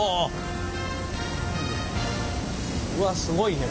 うわっすごいね。